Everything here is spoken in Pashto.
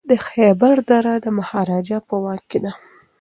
د خیبر دره د مهاراجا په واک کي ده.